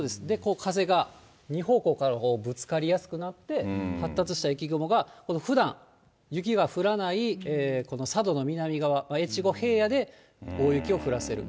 風が２方向からぶつかりやすくなって、発達した雪雲がふだん、雪が降らないこの佐渡の南側、越後平野で大雪を降らせる。